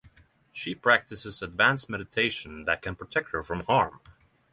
She practices advanced meditation that can protect her from harm.